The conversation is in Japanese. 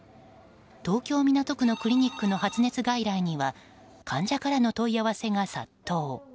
東京・港区のクリニックの発熱外来には患者からの問い合わせが殺到。